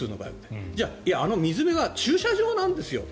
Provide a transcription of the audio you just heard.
あの水辺は駐車場なんです。